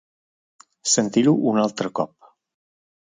Sentir-ho un altre cop.